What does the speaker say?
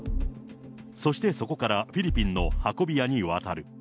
そしてそこからフィリピンの運び屋に渡る。